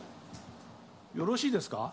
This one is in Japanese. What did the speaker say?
よろしいですか。